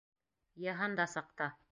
Йыһанда саҡта.